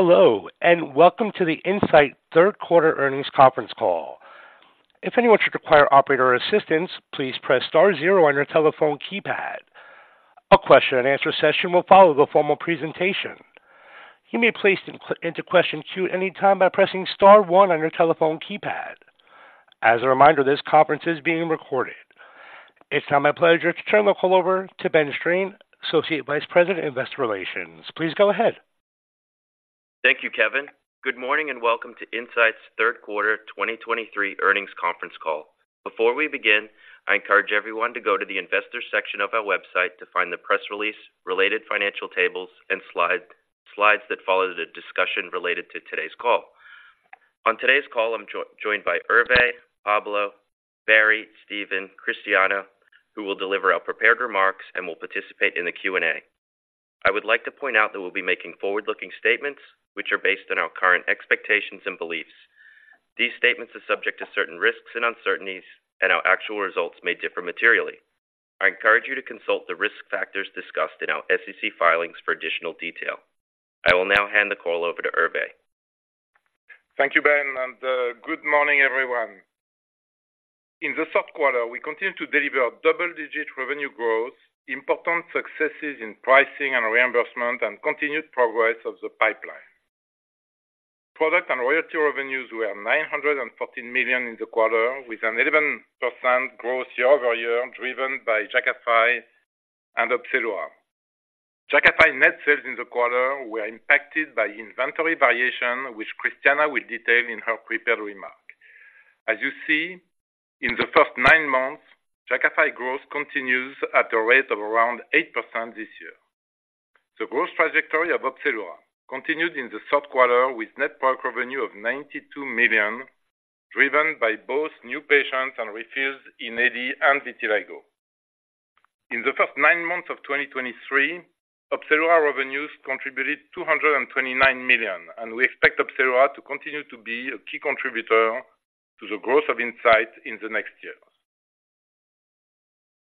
Hello, and welcome to the Incyte Third Quarter Earnings Conference Call. If anyone should require operator assistance, please press star zero on your telephone keypad. A question-and-answer session will follow the formal presentation. You may place into question queue at any time by pressing star one on your telephone keypad. As a reminder, this conference is being recorded. It's now my pleasure to turn the call over to Ben Strain, Associate Vice President, Investor Relations. Please go ahead. Thank you, Kevin. Good morning, and welcome to Incyte's Third Quarter 2023 Earnings Conference Call. Before we begin, I encourage everyone to go to the investors section of our website to find the press release, related financial tables, and slides that follow the discussion related to today's call. On today's call, I'm joined by Hervé, Pablo, Barry, Steven, Christiana, who will deliver our prepared remarks and will participate in the Q&A. I would like to point out that we'll be making forward-looking statements, which are based on our current expectations and beliefs. These statements are subject to certain risks and uncertainties, and our actual results may differ materially. I encourage you to consult the risk factors discussed in our SEC filings for additional detail. I will now hand the call over to Hervé. Thank you, Ben, and good morning, everyone. In the third quarter, we continued to deliver double-digit revenue growth, important successes in pricing and reimbursement, and continued progress of the pipeline. Product and royalty revenues were $914 million in the quarter, with an 11% growth year-over-year, driven by Jakafi and Opzelura. Jakafi net sales in the quarter were impacted by inventory variation, which Christiana will detail in her prepared remark. As you see, in the first nine months, Jakafi growth continues at a rate of around 8% this year. The growth trajectory of Opzelura continued in the third quarter with net product revenue of $92 million, driven by both new patients and refills in AD and vitiligo. In the first nine months of 2023, Opzelura revenues contributed $229 million, and we expect Opzelura to continue to be a key contributor to the growth of Incyte in the next years.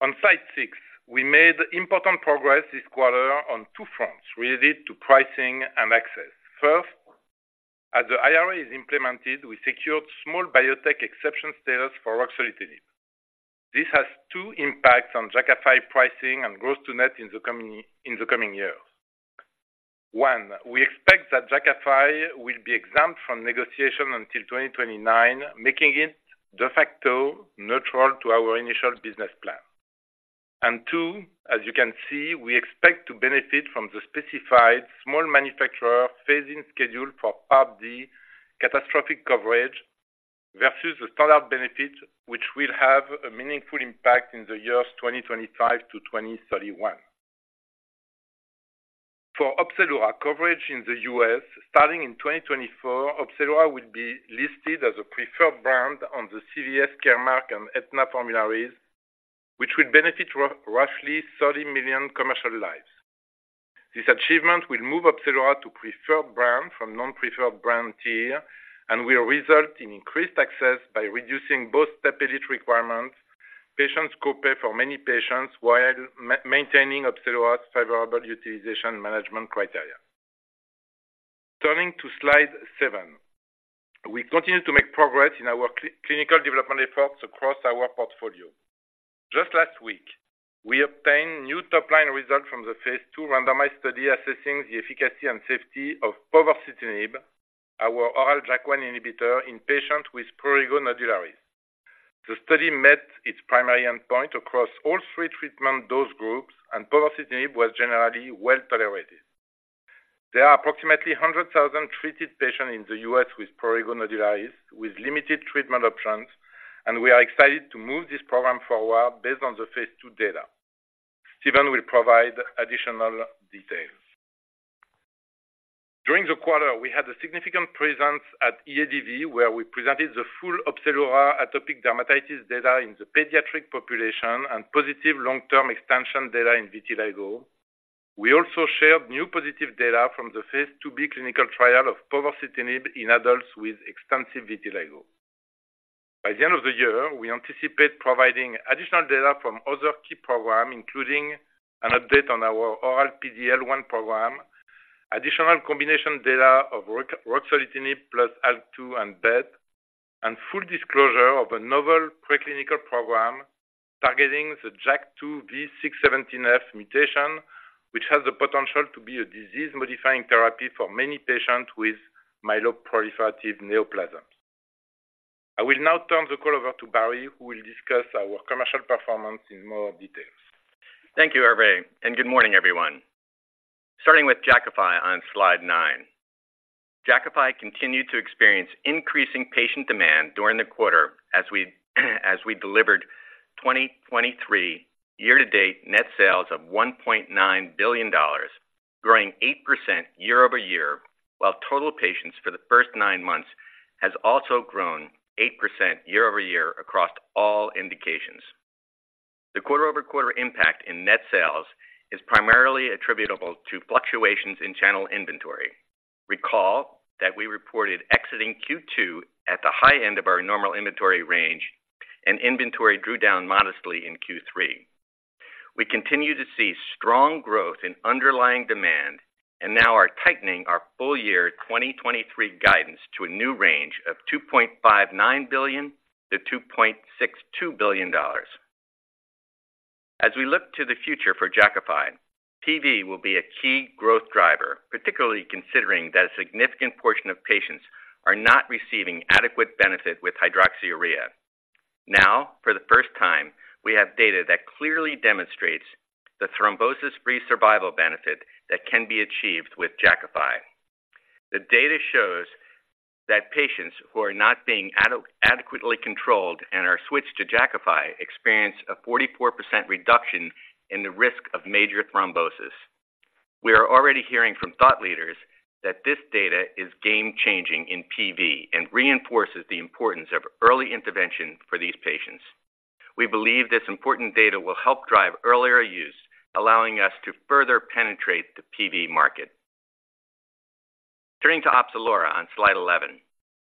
On slide six, we made important progress this quarter on two fronts related to pricing and access. First, as the IRA is implemented, we secured small biotech exception status for ruxolitinib. This has two impacts on Jakafi pricing and gross to net in the coming years. One, we expect that Jakafi will be exempt from negotiation until 2029, making it de facto neutral to our initial business plan. And two, as you can see, we expect to benefit from the specified small manufacturer phase-in schedule for Part D catastrophic coverage versus the standard benefit, which will have a meaningful impact in the years 2025 to 2031. For Opzelura coverage in the US, starting in 2024, Opzelura will be listed as a preferred brand on the CVS Caremark and Aetna formularies, which will benefit roughly 30 million commercial lives. This achievement will move Opzelura to preferred brand from non-preferred brand tier and will result in increased access by reducing both step edit requirements, patients copay for many patients, while maintaining Opzelura's favorable utilization management criteria. Turning to Slide seven. We continue to make progress in our clinical development efforts across our portfolio. Just last week, we obtained new top-line results from the phase II randomized study assessing the efficacy and safety of povorcitinib, our oral JAK1 inhibitor, in patients with prurigo nodularis. The study met its primary endpoint across all three treatment dose groups, and povorcitinib was generally well tolerated. There are approximately 100,000 treated patients in the U.S. with prurigo nodularis, with limited treatment options, and we are excited to move this program forward based on the phase II data. Steven will provide additional details. During the quarter, we had a significant presence at EADV, where we presented the full Opzelura atopic dermatitis data in the pediatric population and positive long-term expansion data in vitiligo. We also shared new positive data from the phase IIb clinical trial of povorcitinib in adults with extensive vitiligo. By the end of the year, we anticipate providing additional data from other key programs, including an update on our oral PD-L1 program, additional combination data of ruxolitinib plus IL-2 and PD-1, and full disclosure of a novel preclinical program targeting the JAK2 V617F mutation, which has the potential to be a disease-modifying therapy for many patients with myeloproliferative neoplasms. I will now turn the call over to Barry, who will discuss our commercial performance in more details. Thank you, Hervé, and good morning, everyone. Starting with Jakafi on Slide nine. Jakafi continued to experience increasing patient demand during the quarter as we delivered 2023 year-to-date net sales of $1.9 billion, growing 8% year-over-year, while total patients for the first nine months has also grown 8% year-over-year across all indications. The quarter-over-quarter impact in net sales is primarily attributable to fluctuations in channel inventory. Recall that we reported exiting Q2 at the high end of our normal inventory range, and inventory drew down modestly in Q3.... We continue to see strong growth in underlying demand and now are tightening our full year 2023 guidance to a new range of $2.59 billion-$2.62 billion. As we look to the future for Jakafi, PV will be a key growth driver, particularly considering that a significant portion of patients are not receiving adequate benefit with hydroxyurea. Now, for the first time, we have data that clearly demonstrates the thrombosis-free survival benefit that can be achieved with Jakafi. The data shows that patients who are not being adequately controlled and are switched to Jakafi experience a 44% reduction in the risk of major thrombosis. We are already hearing from thought leaders that this data is game-changing in PV and reinforces the importance of early intervention for these patients. We believe this important data will help drive earlier use, allowing us to further penetrate the PV market. Turning to Opzelura on slide 11.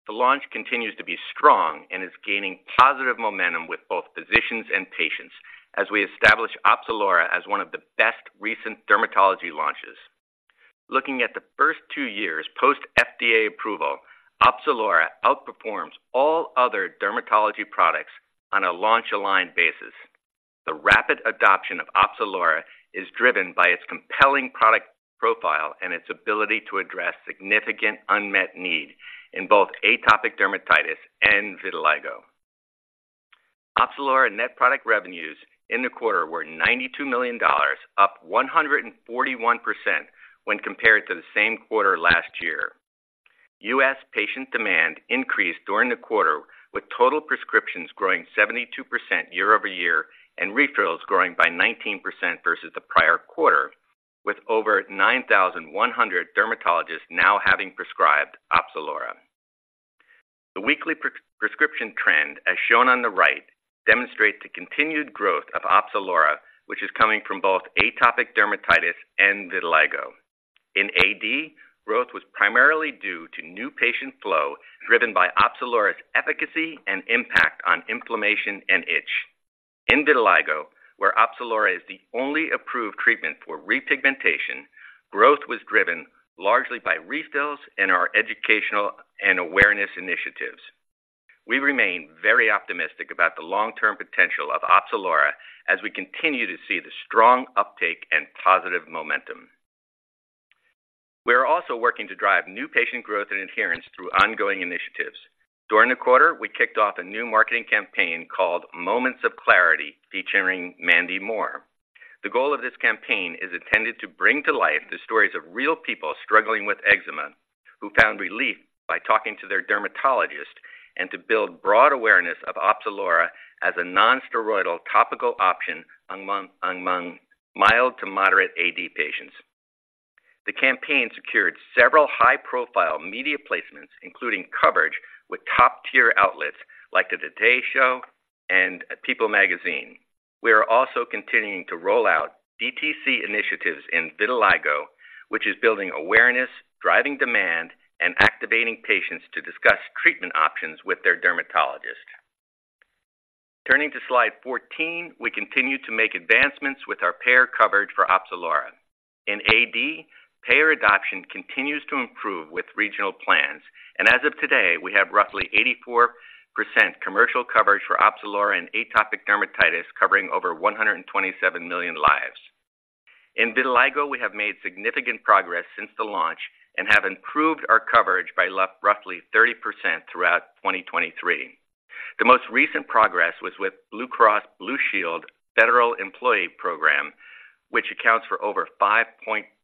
The launch continues to be strong and is gaining positive momentum with both physicians and patients as we establish Opzelura as one of the best recent dermatology launches. Looking at the first two years post FDA approval, Opzelura outperforms all other dermatology products on a launch-aligned basis. The rapid adoption of Opzelura is driven by its compelling product profile and its ability to address significant unmet need in both atopic dermatitis and vitiligo. Opzelura net product revenues in the quarter were $92 million, up 141% when compared to the same quarter last year. U.S. patient demand increased during the quarter, with total prescriptions growing 72% year-over-year, and refills growing by 19% versus the prior quarter, with over 9,100 dermatologists now having prescribed Opzelura. The weekly pre-prescription trend, as shown on the right, demonstrates the continued growth of Opzelura, which is coming from both atopic dermatitis and vitiligo. In AD, growth was primarily due to new patient flow, driven by Opzelura's efficacy and impact on inflammation and itch. In vitiligo, where Opzelura is the only approved treatment for repigmentation, growth was driven largely by refills and our educational and awareness initiatives. We remain very optimistic about the long-term potential of Opzelura as we continue to see the strong uptake and positive momentum. We are also working to drive new patient growth and adherence through ongoing initiatives. During the quarter, we kicked off a new marketing campaign called Moments of Clarity, featuring Mandy Moore. The goal of this campaign is intended to bring to life the stories of real people struggling with eczema, who found relief by talking to their dermatologist, and to build broad awareness of Opzelura as a non-steroidal topical option among mild to moderate AD patients. The campaign secured several high-profile media placements, including coverage with top-tier outlets like The Today Show and People Magazine. We are also continuing to roll out DTC initiatives in vitiligo, which is building awareness, driving demand, and activating patients to discuss treatment options with their dermatologist. Turning to slide 14, we continue to make advancements with our payer coverage for Opzelura. In AD, payer adoption continues to improve with regional plans, and as of today, we have roughly 84% commercial coverage for Opzelura and atopic dermatitis, covering over 127 million lives. In vitiligo, we have made significant progress since the launch and have improved our coverage by roughly 30% throughout 2023. The most recent progress was with Blue Cross Blue Shield Federal Employee Program, which accounts for over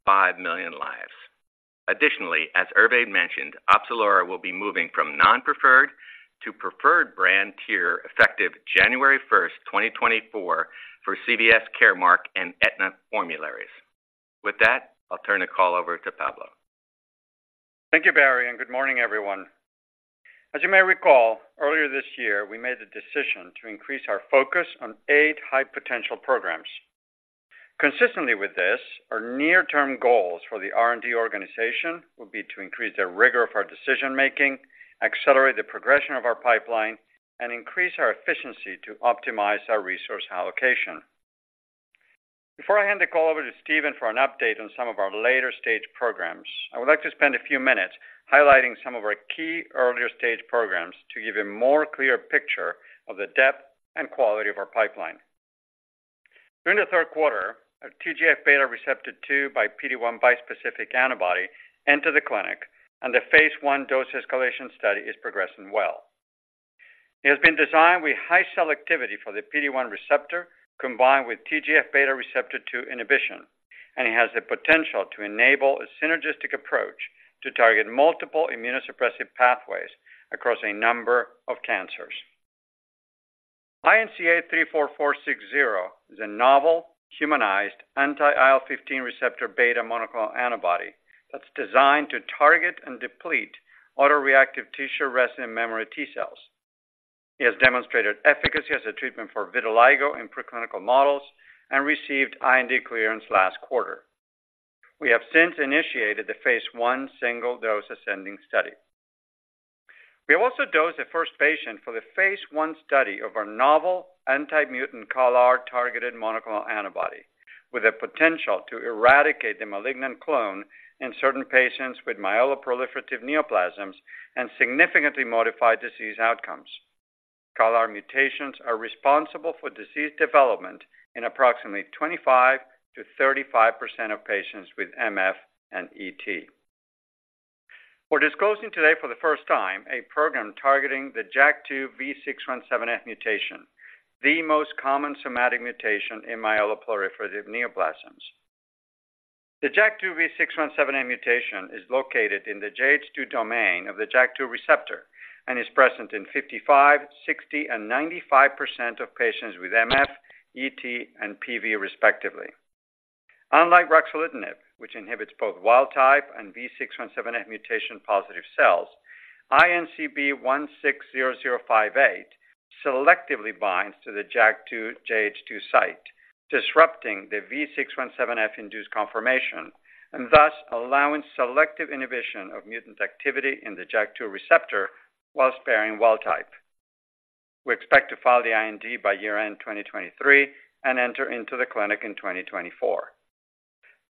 5.5 million lives. Additionally, as Hervé mentioned, Opzelura will be moving from non-preferred to preferred brand tier, effective January 1, 2024, for CVS Caremark and Aetna formularies. With that, I'll turn the call over to Pablo. Thank you, Barry, and good morning, everyone. As you may recall, earlier this year, we made the decision to increase our focus on eight high-potential programs. Consistently with this, our near-term goals for the R&D organization will be to increase the rigor of our decision-making, accelerate the progression of our pipeline, and increase our efficiency to optimize our resource allocation. Before I hand the call over to Steven for an update on some of our later-stage programs, I would like to spend a few minutes highlighting some of our key earlier-stage programs to give a more clear picture of the depth and quality of our pipeline. During the third quarter, our TGF-beta receptor 2 by PD-1 bispecific antibody into the clinic, and the phase I dose escalation study is progressing well. It has been designed with high selectivity for the PD-1 receptor, combined with TGF-beta receptor 2 inhibition, and it has the potential to enable a synergistic approach to target multiple immunosuppressive pathways across a number of cancers. INCA34460 is a novel, humanized, anti-IL-15 receptor beta monoclonal antibody that's designed to target and deplete autoreactive tissue resident memory T-cells. It has demonstrated efficacy as a treatment for vitiligo in preclinical models and received IND clearance last quarter. We have since initiated the phase I single-dose ascending study. We also dosed the first patient for the phase I study of our novel anti-mutant CALR-targeted monoclonal antibody, with the potential to eradicate the malignant clone in certain patients with myeloproliferative neoplasms and significantly modify disease outcomes. CALR mutations are responsible for disease development in approximately 25%-35% of patients with MF and ET. We're disclosing today for the first time, a program targeting the JAK2 V617F mutation, the most common somatic mutation in myeloproliferative neoplasms. The JAK2 V617F mutation is located in the JH2 domain of the JAK2 receptor and is present in 55%, 60%, and 95% of patients with MF, ET, and PV, respectively. Unlike ruxolitinib, which inhibits both wild type and V617F mutation-positive cells, INCB160058 selectively binds to the JAK2 JH2 site, disrupting the V617F-induced conformation, and thus allowing selective inhibition of mutant activity in the JAK2 receptor while sparing wild type. We expect to file the IND by year-end 2023 and enter into the clinic in 2024.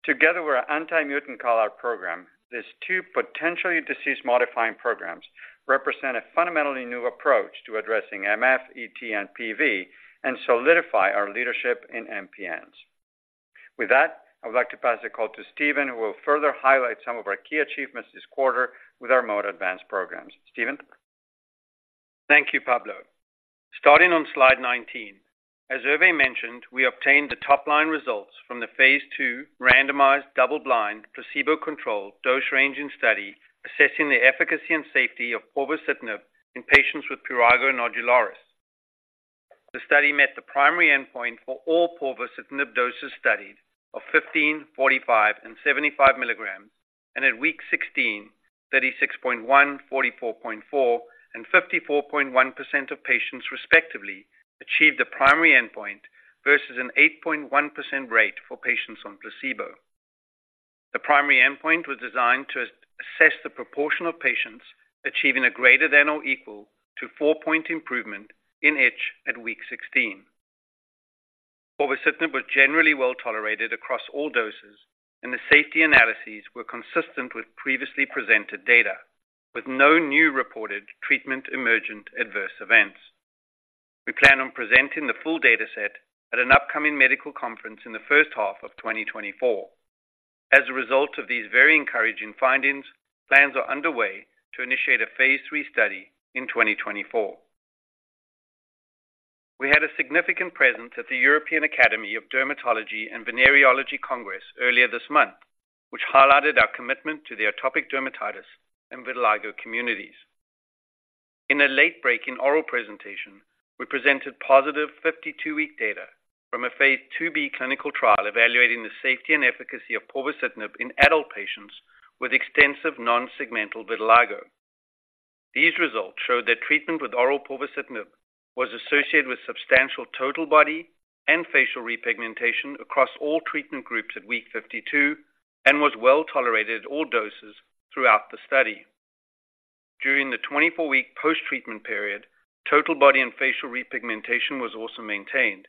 Together with our anti-mutant CALR program, these two potentially disease-modifying programs represent a fundamentally new approach to addressing MF, ET, and PV, and solidify our leadership in MPNs. With that, I would like to pass the call to Steven, who will further highlight some of our key achievements this quarter with our more advanced programs. Steven? Thank you, Pablo. Starting on slide 19, as Hervé mentioned, we obtained the top-line results from the phase II randomized, double-blind, placebo-controlled dose-ranging study, assessing the efficacy and safety of povorcitinib in patients with prurigo nodularis. The study met the primary endpoint for all povorcitinib doses studied of 15, 45, and 75 milligrams, and at week 16, 36.1%, 44.4%, and 54.1% of patients, respectively, achieved the primary endpoint versus an 8.1% rate for patients on placebo. The primary endpoint was designed to assess the proportion of patients achieving a greater than or equal to four point improvement in itch at week 16. Povorcitinib was generally well-tolerated across all doses, and the safety analyses were consistent with previously presented data, with no new reported treatment-emergent adverse events. We plan on presenting the full data set at an upcoming medical conference in the first half of 2024. As a result of these very encouraging findings, plans are underway to initiate a phase III study in 2024. We had a significant presence at the European Academy of Dermatology and Venereology Congress earlier this month, which highlighted our commitment to the atopic dermatitis and vitiligo communities. In a late-breaking oral presentation, we presented positive 52-week data from a phase IIb clinical trial evaluating the safety and efficacy of povorcitinib in adult patients with extensive non-segmental vitiligo. These results showed that treatment with oral povorcitinib was associated with substantial total body and facial repigmentation across all treatment groups at week 52 and was well-tolerated at all doses throughout the study. During the 24-week post-treatment period, total body and facial repigmentation was also maintained,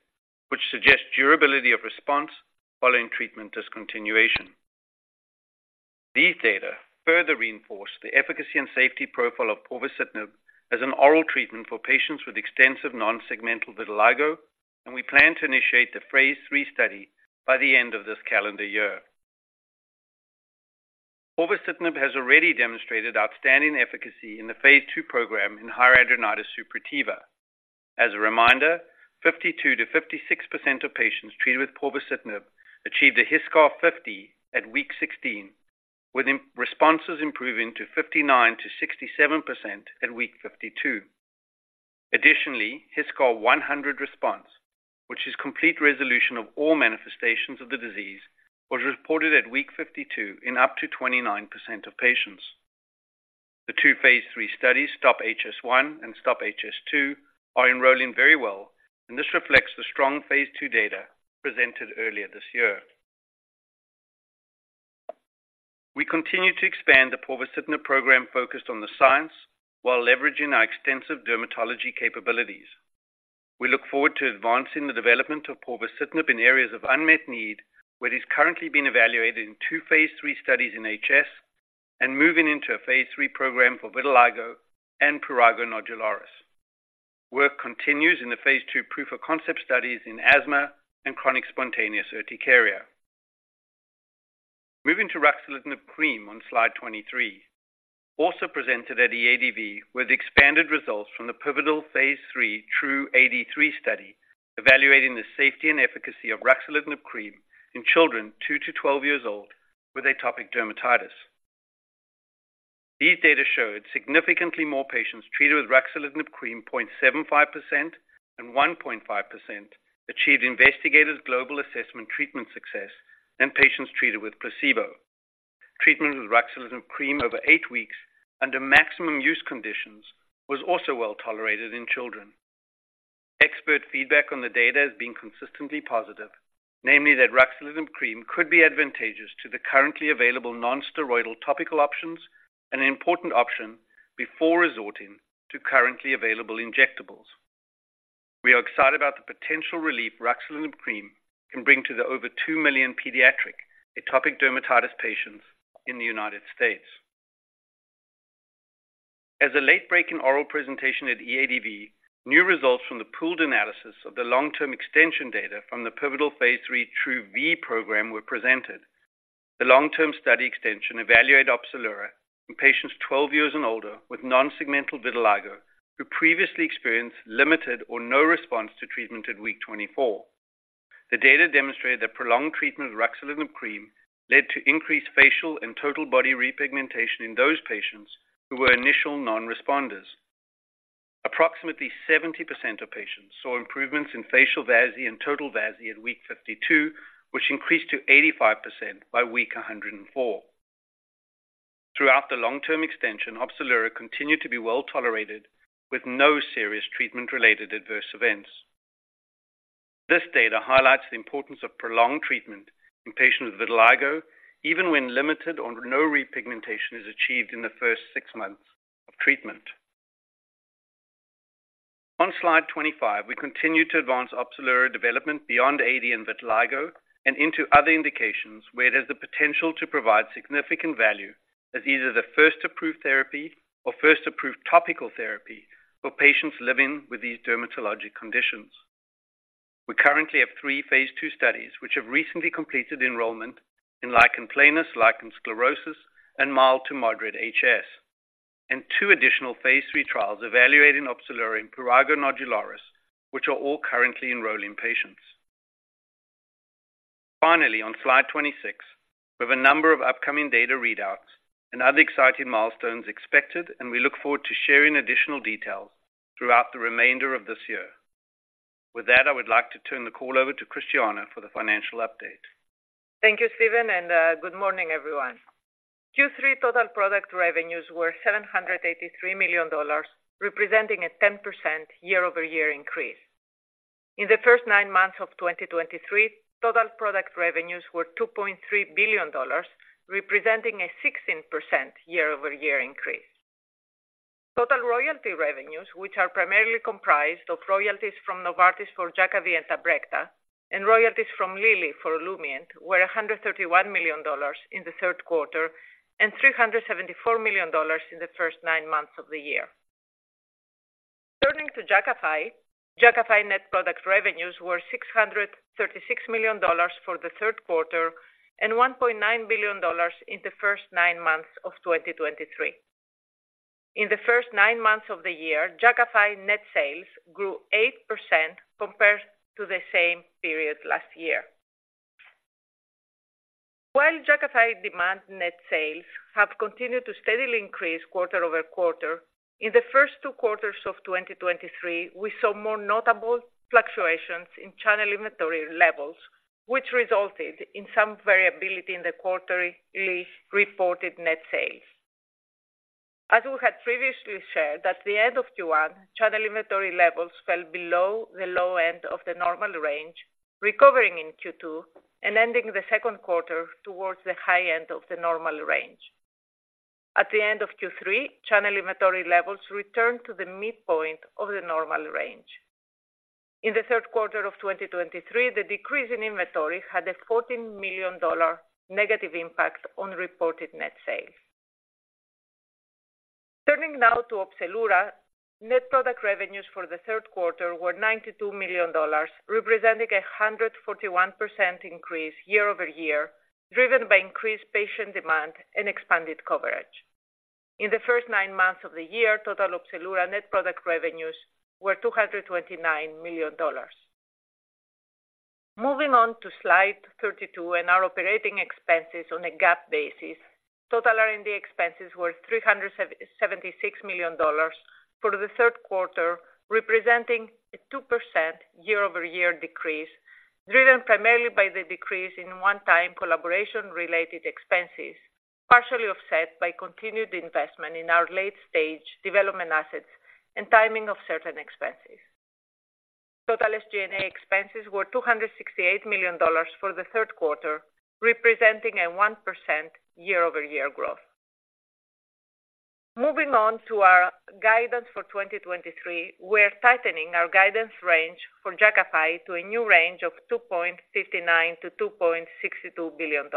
which suggests durability of response following treatment discontinuation. These data further reinforce the efficacy and safety profile of povorcitinib as an oral treatment for patients with extensive non-segmental vitiligo, and we plan to initiate the phase III study by the end of this calendar year. Povorcitinib has already demonstrated outstanding efficacy in the phase II program in hidradenitis suppurativa. As a reminder, 52%-56% of patients treated with povorcitinib achieved a HiSCR50 at week 16, with responses improving to 59%-67% at week 52. Additionally, HiSCR100 response, which is complete resolution of all manifestations of the disease, was reported at week 52 in up to 29% of patients. The two phase III studies, STOP-HS1 and STOP-HS2, are enrolling very well, and this reflects the strong phase II data presented earlier this year. We continue to expand the povorcitinib program focused on the science while leveraging our extensive dermatology capabilities. We look forward to advancing the development of povorcitinib in areas of unmet need, where it is currently being evaluated in two phase III studies in HS and moving into a phase III program for vitiligo and prurigo nodularis. Work continues in the phase II proof-of-concept studies in asthma and chronic spontaneous urticaria. Moving to ruxolitinib cream on slide 23. Also presented at the EADV were the expanded results from the pivotal phase III TRuE-AD3 study, evaluating the safety and efficacy of ruxolitinib cream in children two to 12 years old with atopic dermatitis. These data showed significantly more patients treated with ruxolitinib cream, 0.75% and 1.5%, achieved Investigator's Global Assessment treatment success than patients treated with placebo. Treatment with ruxolitinib cream over eight weeks under maximum use conditions was also well-tolerated in children.... Expert feedback on the data has been consistently positive, namely that ruxolitinib cream could be advantageous to the currently available non-steroidal topical options and an important option before resorting to currently available injectables. We are excited about the potential relief ruxolitinib cream can bring to the over two million pediatric atopic dermatitis patients in the United States. As a late-breaking oral presentation at EADV, new results from the pooled analysis of the long-term extension data from the pivotal phase III TRuE-V program were presented. The long-term study extension evaluated Opzelura in patients 12 years and older with non-segmental vitiligo, who previously experienced limited or no response to treatment at week 24. The data demonstrated that prolonged treatment with ruxolitinib cream led to increased facial and total body repigmentation in those patients who were initial non-responders. Approximately 70% of patients saw improvements in facial VASI and total VASI at week 52, which increased to 85% by week 104. Throughout the long-term extension, Opzelura continued to be well-tolerated, with no serious treatment-related adverse events. This data highlights the importance of prolonged treatment in patients with vitiligo, even when limited or no repigmentation is achieved in the first six months of treatment. On slide 25, we continue to advance Opzelura development beyond AD and vitiligo and into other indications where it has the potential to provide significant value as either the first approved therapy or first approved topical therapy for patients living with these dermatologic conditions. We currently have three phase II studies, which have recently completed enrollment in lichen planus, lichen sclerosus, and mild to moderate HS, and two additional phase III trials evaluating Opzelura in prurigo nodularis, which are all currently enrolling patients. Finally, on slide 26, we have a number of upcoming data readouts and other exciting milestones expected, and we look forward to sharing additional details throughout the remainder of this year. With that, I would like to turn the call over to Christiana for the financial update. Thank you, Steven, and good morning, everyone. Q3 total product revenues were $783 million, representing a 10% year-over-year increase. In the first nine months of 2023, total product revenues were $2.3 billion, representing a 16% year-over-year increase. Total royalty revenues, which are primarily comprised of royalties from Novartis for Jakafi and Tabrecta and royalties from Lilly for Olumiant, were $131 million in the third quarter and $374 million in the first nine months of the year. Turning to Jakafi. Jakafi net product revenues were $636 million for the third quarter and $1.9 billion in the first nine months of 2023. In the first nine months of the year, Jakafi net sales grew 8% compared to the same period last year. While Jakafi demand net sales have continued to steadily increase quarter-over-quarter, in the first two quarters of 2023, we saw more notable fluctuations in channel inventory levels, which resulted in some variability in the quarterly reported net sales. As we had previously shared, at the end of Q1, channel inventory levels fell below the low end of the normal range, recovering in Q2 and ending the second quarter towards the high end of the normal range. At the end of Q3, channel inventory levels returned to the midpoint of the normal range. In the third quarter of 2023, the decrease in inventory had a $14 million negative impact on reported net sales. Turning now to Opzelura. Net product revenues for the third quarter were $92 million, representing a 141% increase year-over-year, driven by increased patient demand and expanded coverage. In the first nine months of the year, total Opzelura net product revenues were $229 million. Moving on to slide 32 and our operating expenses on a GAAP basis. Total R&D expenses were $376 million for the third quarter, representing a 2% year-over-year decrease, driven primarily by the decrease in one-time collaboration-related expenses, partially offset by continued investment in our late-stage development assets and timing of certain expenses. Total SG&A expenses were $268 million for the third quarter, representing a 1% year-over-year growth. Moving on to our guidance for 2023, we are tightening our guidance range for Jakafi to a new range of $2.59 billion-$2.62 billion.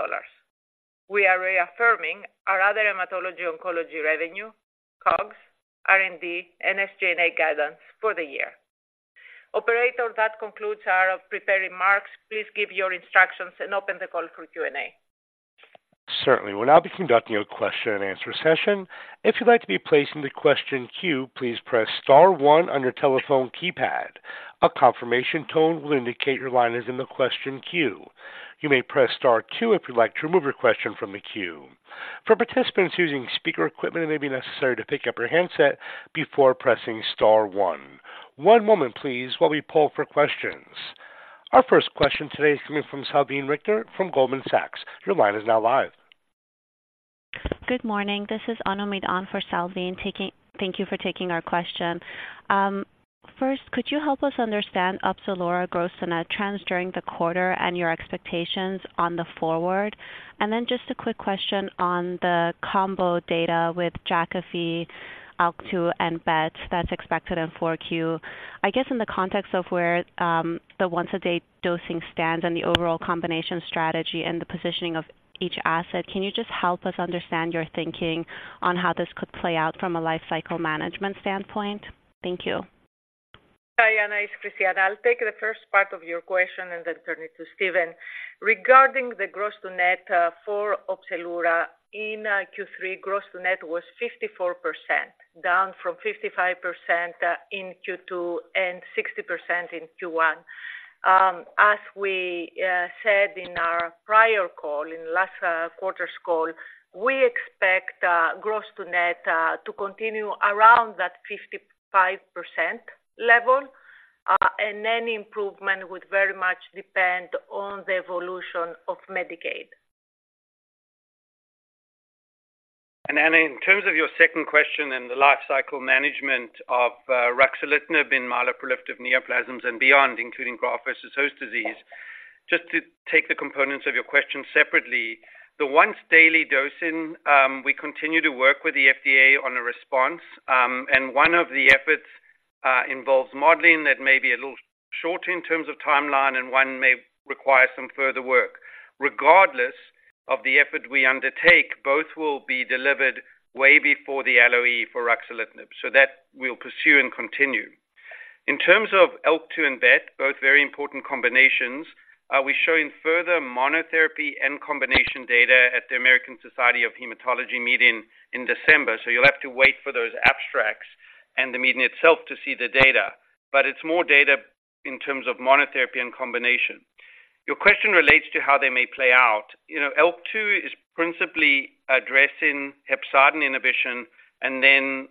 We are reaffirming our other hematology/oncology revenue, COGS, R&D, and SG&A guidance for the year. Operator, that concludes our prepared remarks. Please give your instructions and open the call for Q&A. Certainly. We'll now be conducting a question-and-answer session. If you'd like to be placed in the question queue, please press star one on your telephone keypad. A confirmation tone will indicate your line is in the question queue. You may press star two if you'd like to remove your question from the queue. For participants using speaker equipment, it may be necessary to pick up your handset before pressing star one. One moment, please, while we poll for questions. Our first question today is coming from Salveen Richter from Goldman Sachs. Your line is now live. Good morning, this is Anna [Mead] on for Salveen, and thank you for taking our question. First, could you help us understand Opzelura gross to net trends during the quarter and your expectations on the forward? And then just a quick question on the combo data with Jakafi, ALK2, and BET that's expected in 4Q. I guess, in the context of where the once-a-day dosing stands and the overall combination strategy and the positioning of each asset, can you just help us understand your thinking on how this could play out from a life cycle management standpoint? Thank you. Hi, Anna. It's Christiana. I'll take the first part of your question and then turn it to Steven. Regarding the gross to net for Opzelura in Q3, gross to net was 54%, down from 55% in Q2 and 60% in Q1. As we said in our prior call, in last quarter's call, we expect gross to net to continue around that 55% level, and any improvement would very much depend on the evolution of Medicaid. Anna, in terms of your second question and the lifecycle management of ruxolitinib in myeloproliferative neoplasms and beyond, including graft-versus-host disease. Just to take the components of your question separately, the once daily dosing, we continue to work with the FDA on a response, and one of the efforts involves modeling that may be a little short in terms of timeline, and one may require some further work. Regardless of the effort we undertake, both will be delivered way before the LOE for ruxolitinib, so that we'll pursue and continue. In terms of ALK2 and BET, both very important combinations, we're showing further monotherapy and combination data at the American Society of Hematology meeting in December, so you'll have to wait for those abstracts and the meeting itself to see the data, but it's more data in terms of monotherapy and combination. Your question relates to how they may play out. You know, ALK2 is principally addressing hepcidin inhibition and then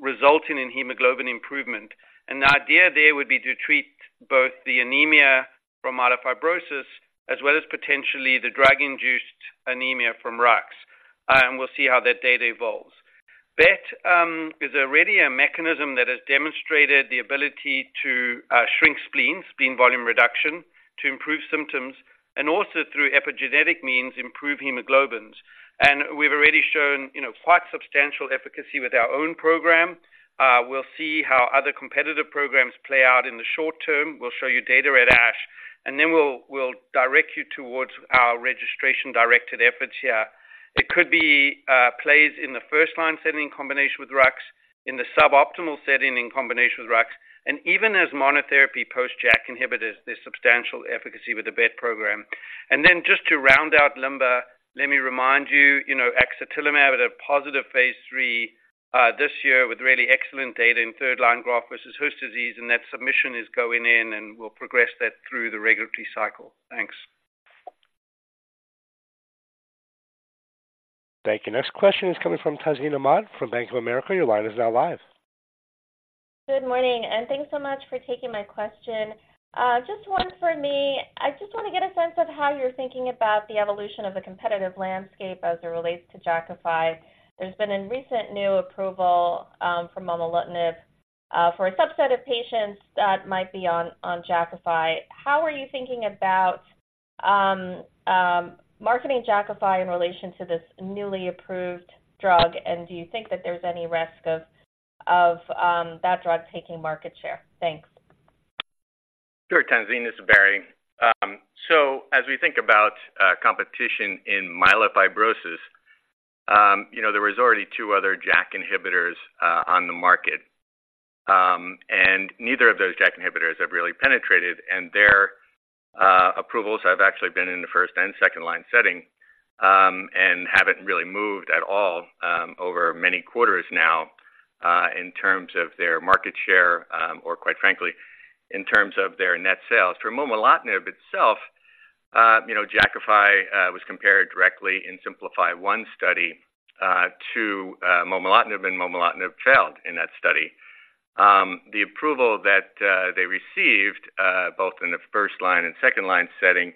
resulting in hemoglobin improvement. The idea there would be to treat both the anemia from myelofibrosis as well as potentially the drug-induced anemia from Rux, and we'll see how that data evolves. BET is already a mechanism that has demonstrated the ability to shrink spleen, spleen volume reduction, to improve symptoms, and also, through epigenetic means, improve hemoglobins. We've already shown, you know, quite substantial efficacy with our own program. We'll see how other competitive programs play out in the short term. We'll show you data at ASH, and then we'll direct you towards our registration-directed efforts here. It could be, plays in the first-line setting in combination with Rux, in the suboptimal setting in combination with Rux, and even as monotherapy post-JAK inhibitors, there's substantial efficacy with the BET program. And then just to round out LIMBER, let me remind you, you know, axitilimab had a positive phase III, this year with really excellent data in third-line graft-versus-host disease, and that submission is going in, and we'll progress that through the regulatory cycle. Thanks. Thank you. Next question is coming from Tazeen Ahmad from Bank of America. Your line is now live. Good morning, and thanks so much for taking my question. Just one for me. I just want to get a sense of how you're thinking about the evolution of the competitive landscape as it relates to Jakafi. There's been a recent new approval for momelotinib for a subset of patients that might be on Jakafi. How are you thinking about marketing Jakafi in relation to this newly approved drug? And do you think that there's any risk of that drug taking market share? Thanks. Sure, Tazeen, this is Barry. So as we think about competition in myelofibrosis, you know, there was already two other JAK inhibitors on the market, and neither of those JAK inhibitors have really penetrated, and their approvals have actually been in the first and second line setting, and haven't really moved at all over many quarters now in terms of their market share, or quite frankly, in terms of their net sales. For momelotinib itself, you know, Jakafi was compared directly in SIMPLIFY-1 study to momelotinib, and momelotinib failed in that study. The approval that they received both in the first line and second line setting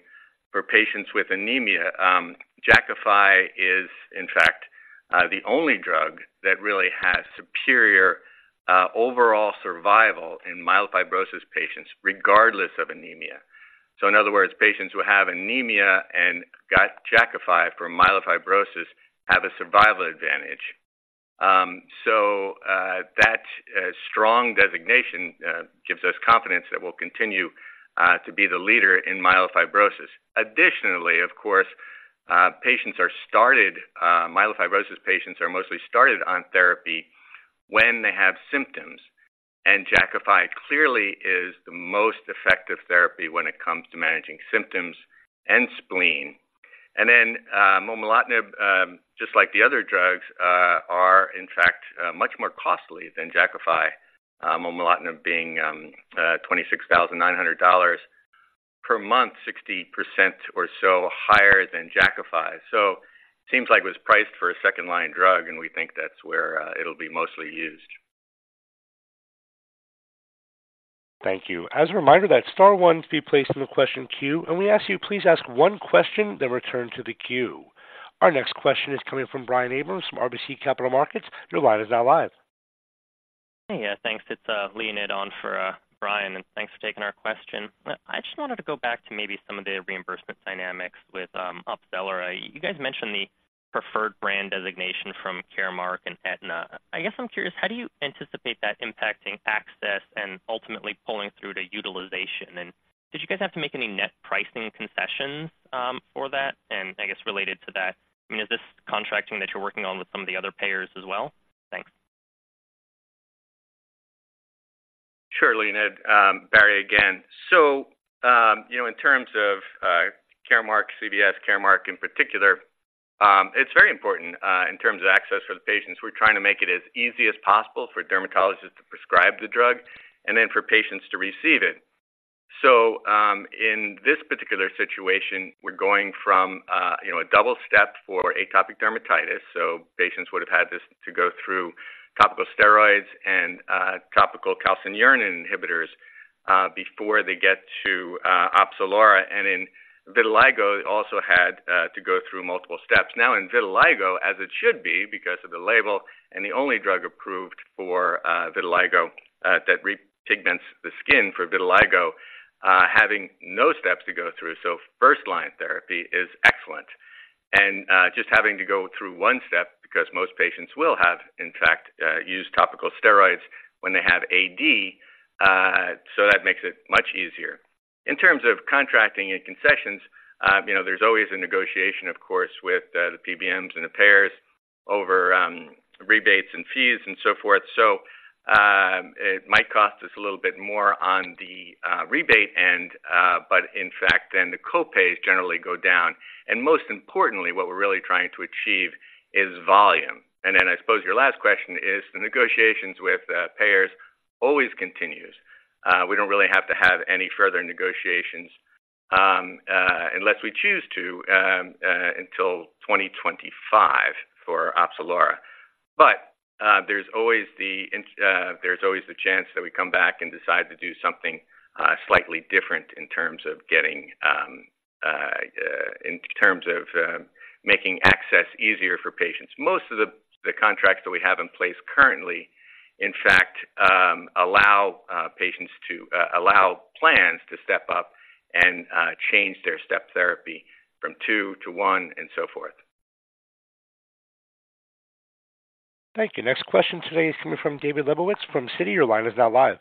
for patients with anemia. Jakafi is in fact the only drug that really has superior overall survival in myelofibrosis patients, regardless of anemia. So in other words, patients who have anemia and got Jakafi for myelofibrosis have a survival advantage. So, that strong designation gives us confidence that we'll continue to be the leader in myelofibrosis. Additionally, of course, patients are started, myelofibrosis patients are mostly started on therapy when they have symptoms, and Jakafi clearly is the most effective therapy when it comes to managing symptoms and spleen. And then, momelotinib, just like the other drugs, are in fact much more costly than Jakafi. Momelotinib being $26,900 per month, 60% or so higher than Jakafi. So seems like it was priced for a second-line drug, and we think that's where it'll be mostly used.... Thank you. As a reminder, that's star one to be placed in the question queue, and we ask you, please ask one question, then return to the queue. Our next question is coming from Brian Abrahams from RBC Capital Markets. Your line is now live. Hey, thanks. It's Leonid on for Brian, and thanks for taking our question. I just wanted to go back to maybe some of the reimbursement dynamics with Opzelura. You guys mentioned the preferred brand designation from Caremark and Aetna. I guess I'm curious, how do you anticipate that impacting access and ultimately pulling through to utilization? And did you guys have to make any net pricing concessions for that? And I guess related to that, I mean, is this contracting that you're working on with some of the other payers as well? Thanks. Sure, Leonid, Barry, again. So, you know, in terms of, Caremark, CVS Caremark in particular, it's very important, in terms of access for the patients. We're trying to make it as easy as possible for dermatologists to prescribe the drug and then for patients to receive it. So, in this particular situation, we're going from, you know, a double step for atopic dermatitis, so patients would have had this to go through topical steroids and, topical calcineurin inhibitors, before they get to, Opzelura, and in vitiligo, they also had, to go through multiple steps. Now, in vitiligo, as it should be, because of the label and the only drug approved for, vitiligo, that repigments the skin for vitiligo, having no steps to go through. So first line therapy is excellent. Just having to go through one step because most patients will have, in fact, use topical steroids when they have AD, so that makes it much easier. In terms of contracting and concessions, you know, there's always a negotiation, of course, with the PBMs and the payers over rebates and fees and so forth. So, it might cost us a little bit more on the rebate end, but in fact, then the copays generally go down, and most importantly, what we're really trying to achieve is volume. Then I suppose your last question is the negotiations with payers always continues. We don't really have to have any further negotiations, unless we choose to, until 2025 for Opzelura. But, there's always the chance that we come back and decide to do something slightly different in terms of making access easier for patients. Most of the contracts that we have in place currently, in fact, allow plans to step up and change their step therapy from two to one and so forth. Thank you. Next question today is coming from David Lebowitz from Citi. Your line is now live.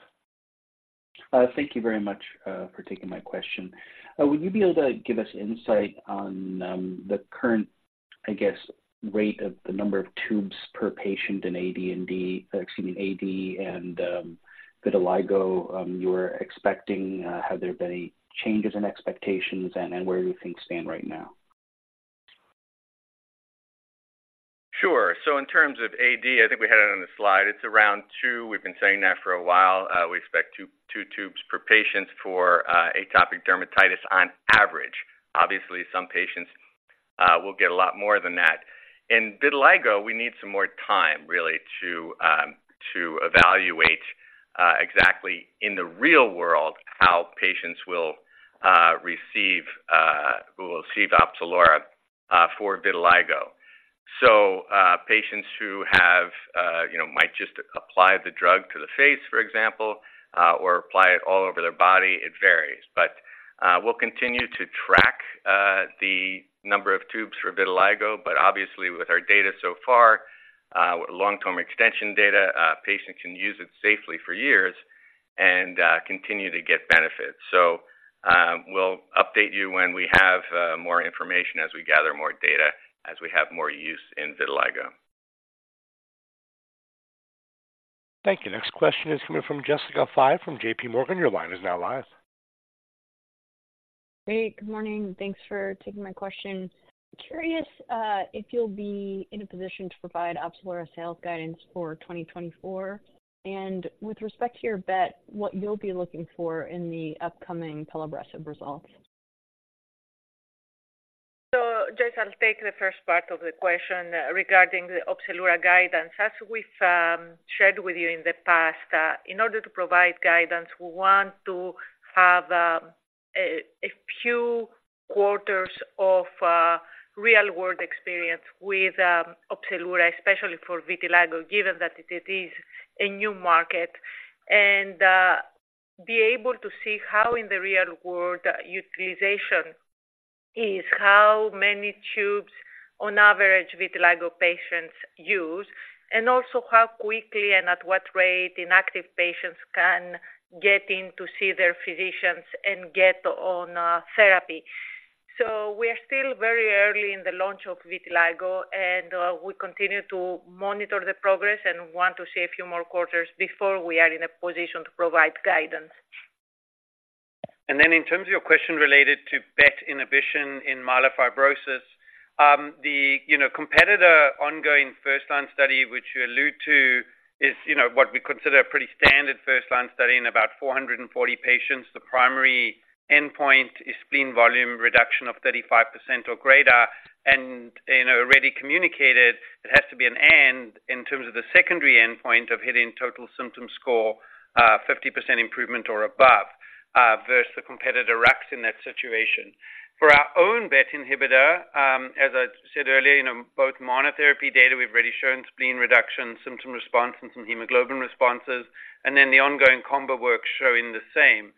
Thank you very much for taking my question. Would you be able to give us insight on the current, I guess, rate of the number of tubes per patient in AD and D, excuse me, AD and vitiligo, you were expecting, have there been any changes in expectations and where do things stand right now? Sure. So in terms of AD, I think we had it on the slide, it's around two. We've been saying that for a while. We expect two tubes per patient for atopic dermatitis on average. Obviously, some patients will get a lot more than that. In vitiligo, we need some more time, really, to evaluate exactly in the real world, how patients will receive Opzelura for vitiligo. So, patients who have, you know, might just apply the drug to the face, for example, or apply it all over their body, it varies. But, we'll continue to track the number of tubes for vitiligo, but obviously, with our data so far, long-term extension data, patients can use it safely for years and continue to get benefits. So, we'll update you when we have more information as we gather more data, as we have more use in vitiligo. Thank you. Next question is coming from Jessica Fye from JP Morgan. Your line is now live. Great, good morning, and thanks for taking my question. Curious, if you'll be in a position to provide Opzelura sales guidance for 2024, and with respect to your bet, what you'll be looking for in the upcoming povorcitinib results? So Jess, I'll take the first part of the question regarding the Opzelura guidance. As we've shared with you in the past, in order to provide guidance, we want to have a few quarters of real-world experience with Opzelura, especially for vitiligo, given that it is a new market, and be able to see how in the real world utilization is, how many tubes on average vitiligo patients use, and also how quickly and at what rate inactive patients can get in to see their physicians and get on therapy. So we are still very early in the launch of vitiligo, and we continue to monitor the progress and want to see a few more quarters before we are in a position to provide guidance. Then in terms of your question related to BET inhibition in myelofibrosis, you know, the competitor ongoing first line study, which you allude to, is, you know, what we consider a pretty standard first line study in about 440 patients. The primary endpoint is spleen volume reduction of 35% or greater, and, you know, already communicated, it has to be an and in terms of the secondary endpoint of hitting total symptom score, 50% improvement or above. ... versus the competitor rux in that situation. For our own BET inhibitor, as I said earlier, you know, both monotherapy data, we've already shown spleen reduction, symptom response, and some hemoglobin responses, and then the ongoing combo work showing the same.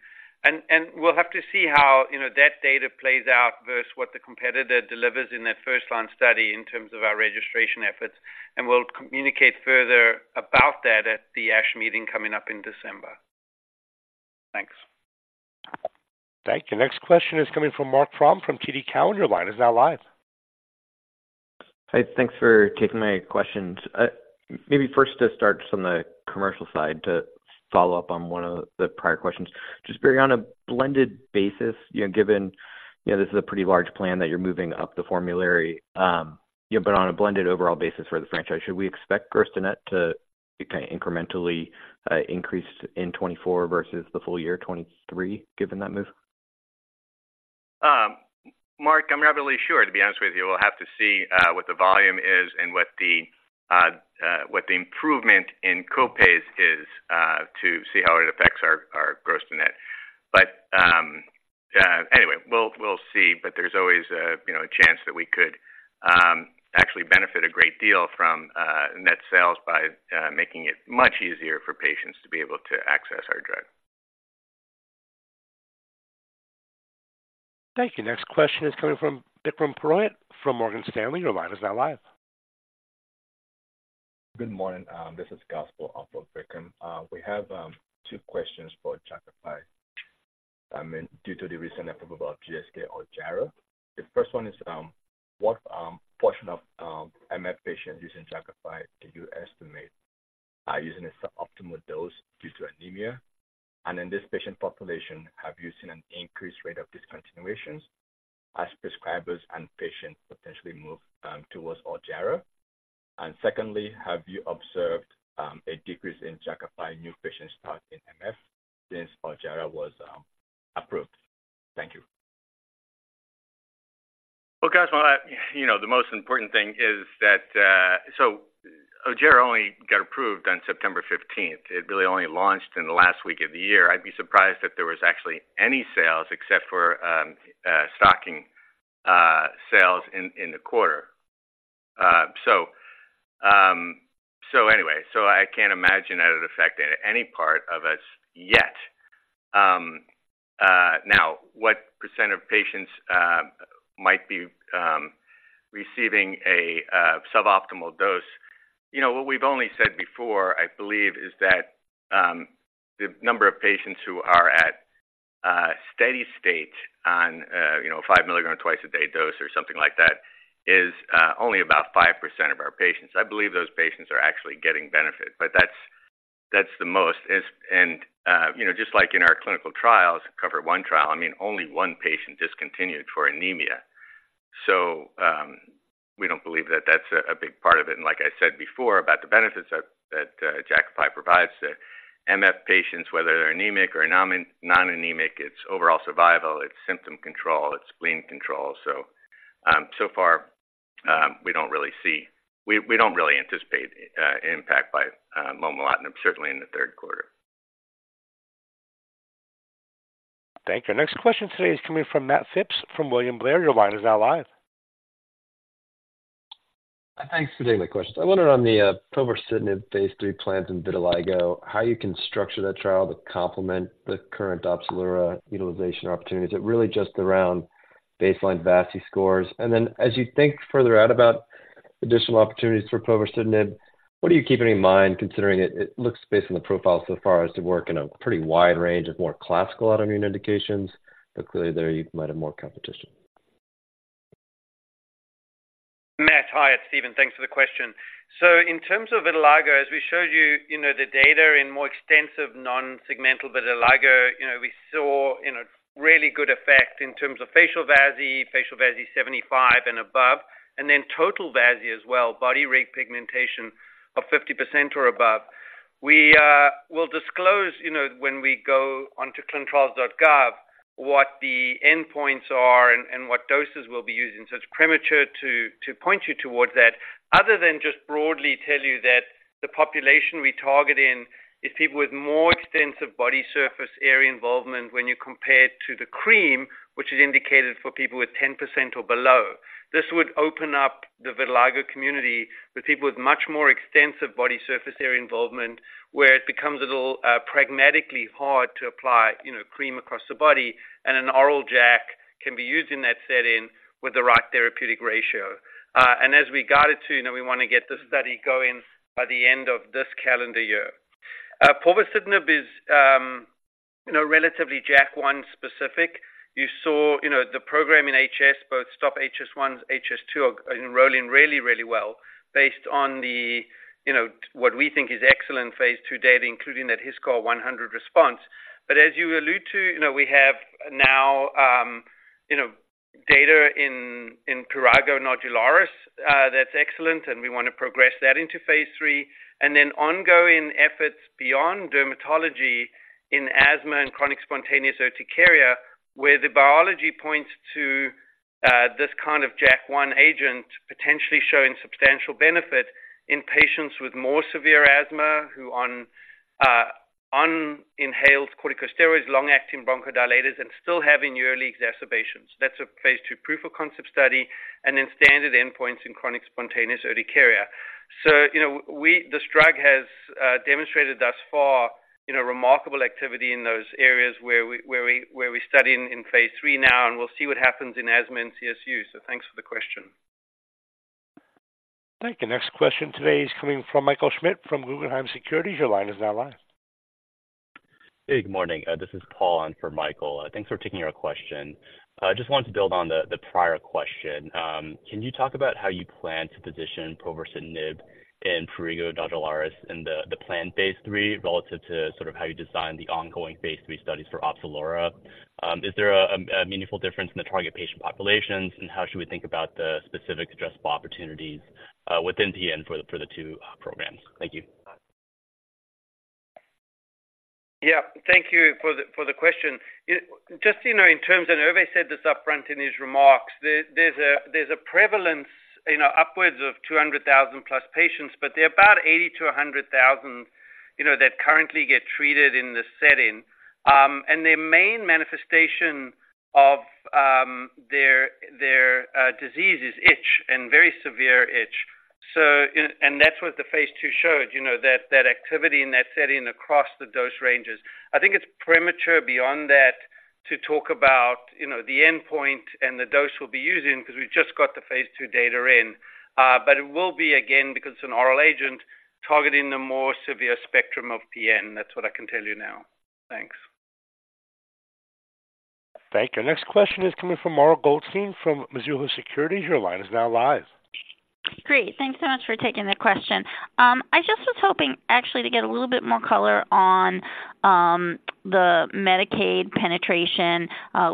And, and we'll have to see how, you know, that data plays out versus what the competitor delivers in that first-line study in terms of our registration efforts, and we'll communicate further about that at the ASH meeting coming up in December. Thanks. Thank you. Next question is coming from Marc Frahm, from TD Cowen. Your line is now live. Hi, thanks for taking my questions. Maybe first to start just on the commercial side, to follow up on one of the prior questions. Just very on a blended basis, you know, given, you know, this is a pretty large plan that you're moving up the formulary. Yeah, but on a blended overall basis for the franchise, should we expect gross to net to kind of incrementally increase in 2024 versus the full year 2023, given that move? Mark, I'm not really sure, to be honest with you. We'll have to see what the volume is and what the improvement in copays is to see how it affects our gross to net. But anyway, we'll see. But there's always a, you know, a chance that we could actually benefit a great deal from net sales by making it much easier for patients to be able to access our drug. Thank you. Next question is coming from Vikram Purohit from Morgan Stanley. Your line is now live. Good morning, this is Gospel on for Vikram. We have two questions for Jakafi. I mean, due to the recent approval of GSK's Ojjaara. The first one is, what portion of MF patients using Jakafi can you estimate are using a suboptimal dose due to anemia? And in this patient population, have you seen an increased rate of discontinuations as prescribers and patients potentially move towards Ojjaara? And secondly, have you observed a decrease in Jakafi new patient start in MF since Ojjaara was approved? Thank you. Well, Gospel, you know, the most important thing is that... So Ojjaara only got approved on September fifteenth. It really only launched in the last week of the year. I'd be surprised if there was actually any sales except for stocking sales in the quarter. So anyway, so I can't imagine that it affected any part of us yet. Now, what percent of patients might be receiving a suboptimal dose? You know what we've only said before, I believe, is that the number of patients who are at steady state on, you know, 5mg twice a day dose or something like that is only about 5% of our patients. I believe those patients are actually getting benefit, but that's the most. you know, just like in our clinical trials, SIMPLIFY-1 trial, I mean, only one patient discontinued for anemia. So, we don't believe that that's a big part of it. And like I said before, about the benefits that Jakafi provides to MF patients, whether they're anemic or non-anemic, it's overall survival, it's symptom control, it's spleen control. So, so far, we don't really see. We don't really anticipate impact by momelotinib, certainly in the third quarter. Thank you. Our next question today is coming from Matt Phipps from William Blair. Your line is now live. Thanks for taking my questions. I wonder on the, povorcitinib phase III plans in vitiligo, how you can structure that trial to complement the current Opzelura utilization opportunities? Is it really just around baseline VASI scores? And then, as you think further out about additional opportunities for povorcitinib, what are you keeping in mind, considering it, it looks based on the profile so far as to work in a pretty wide range of more classical autoimmune indications, but clearly there you might have more competition? Matt, hi, it's Steven. Thanks for the question. So in terms of vitiligo, as we showed you, you know, the data in more extensive non-segmental vitiligo, you know, we saw, you know, really good effect in terms of facial VASI, facial VASI 75 and above, and then total VASI as well, body repigmentation of 50% or above. We will disclose, you know, when we go onto clinicaltrials.gov, what the endpoints are and what doses we'll be using. So it's premature to point you towards that, other than just broadly tell you that the population we target in is people with more extensive body surface area involvement when you compare it to the cream, which is indicated for people with 10% or below. This would open up the vitiligo community with people with much more extensive body surface area involvement, where it becomes a little, pragmatically hard to apply, you know, cream across the body, and an oral JAK can be used in that setting with the right therapeutic ratio. And as we got it to, you know, we want to get the study going by the end of this calendar year. Povorcitinib is, you know, relatively JAK1 specific. You saw, you know, the program in HS, both STOP HS I, STOP HS II are enrolling really, really well based on the, you know, what we think is excellent phase II data, including that HiSCR100 response. But as you allude to, you know, we have now, you know, data in, in prurigo nodularis, that's excellent, and we want to progress that into phase III. And then ongoing efforts beyond dermatology in asthma and chronic spontaneous urticaria, where the biology points to-... this kind of JAK1 agent potentially showing substantial benefit in patients with more severe asthma, who on, on inhaled corticosteroids, long-acting bronchodilators, and still having yearly exacerbations. That's a phase II proof of concept study and then standard endpoints in chronic spontaneous urticaria. So, you know, we – this drug has demonstrated thus far, you know, remarkable activity in those areas where we, where we, where we're studying in phase III now, and we'll see what happens in asthma and CSU. So thanks for the question. Thank you. Next question today is coming from Michael Schmidt from Guggenheim Securities. Your line is now live. Hey, good morning. This is Paul on for Michael. Thanks for taking our question. I just wanted to build on the prior question. Can you talk about how you plan to position ruxolitinib in prurigo nodularis in the planned phase III, relative to sort of how you design the ongoing phase III studies for Opzelura? Is there a meaningful difference in the target patient populations, and how should we think about the specific addressable opportunities within PN for the two programs? Thank you. Yeah, thank you for the question. Just so you know, in terms, and Hervé said this upfront in his remarks, there's a prevalence, you know, upwards of 200,000+ patients, but there are about 80,000-100,000, you know, that currently get treated in this setting. And their main manifestation of their disease is itch, and very severe itch. And that's what the phase II showed, you know, that activity in that setting across the dose ranges. I think it's premature beyond that to talk about, you know, the endpoint and the dose we'll be using because we've just got the phase II data in. But it will be, again, because it's an oral agent, targeting the more severe spectrum of PN. That's what I can tell you now. Thanks. Thank you. Our next question is coming from Mara Goldstein, from Mizuho Securities. Your line is now live. Great. Thanks so much for taking the question. I just was hoping actually to get a little bit more color on the Medicaid penetration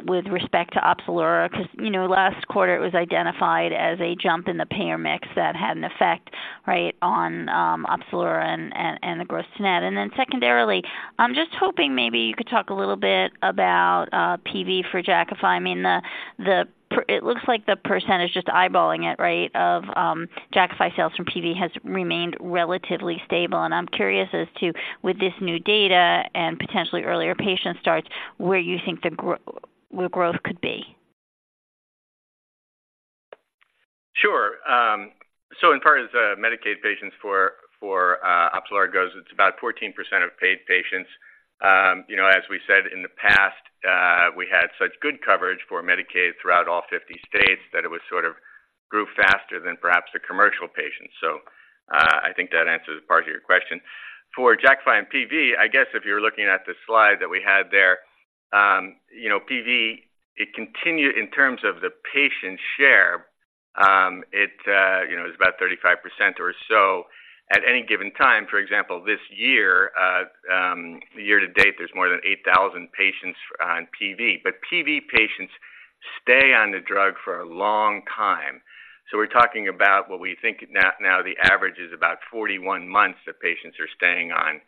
with respect to Opzelura, because, you know, last quarter, it was identified as a jump in the payer mix that had an effect, right, on Opzelura and the gross net. And then secondarily, I'm just hoping maybe you could talk a little bit about PV for Jakafi. I mean, It looks like the percentage, just eyeballing it, right, of Jakafi sales from PV has remained relatively stable. And I'm curious as to, with this new data and potentially earlier patient starts, where you think the growth could be. Sure. So as far as the Medicaid patients for Opzelura goes, it's about 14% of paid patients. You know, as we said in the past, we had such good coverage for Medicaid throughout all 50 states, that it was sort of grew faster than perhaps the commercial patients. So, I think that answers part of your question. For Jakafi and PV, I guess if you're looking at the slide that we had there, you know, PV, it continued in terms of the patient share, it, you know, is about 35% or so at any given time. For example, this year, year to date, there's more than 8,000 patients on PV, but PV patients stay on the drug for a long time. So we're talking about what we think now, now the average is about 41 months that patients are staying on